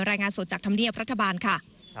รายงานสดจากธรรมเนียบรัฐบาลค่ะ